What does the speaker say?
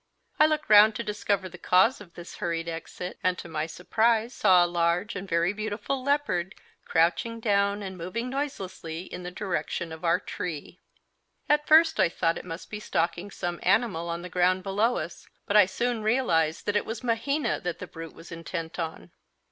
I looked round to discover the cause of this hurried exit, and to my surprise saw a large and very beautiful leopard crouching down and moving noiselessly in the direction of our tree. At first I thought it must be stalking some animal on the ground below us, but I soon realised that it was Mahina that the brute was intent on.